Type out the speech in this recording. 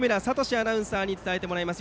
アナウンサーに伝えてもらいます。